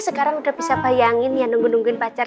sekarang udah bisa bayangin ya nunggu nungguin pacar